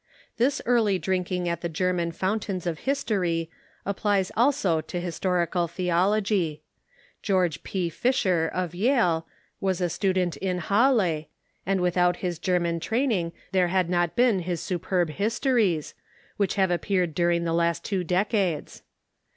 This early drinking at the German foun tains of history applies also to historical theology. George P. Fisher, of Yale, was a student in Ilalle, and without his Ger man training there had not been his superb Histories, which have appeared during the last two decades.